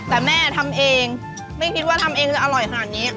แต่แม่ทำเองไม่คิดว่าทำเองจะอร่อยขนาดนี้